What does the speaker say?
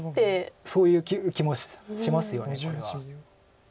そういう気もしますよねこれは。